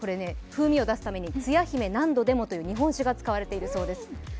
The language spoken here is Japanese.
風味を出すために、つや姫なんどでもという日本酒が使われているそうです。